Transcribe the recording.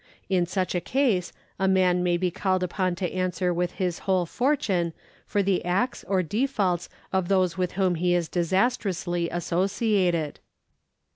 In such a case a man may be called upon to answer with his whole fortune for the acts or defaults of those with whom he is disastrously associated.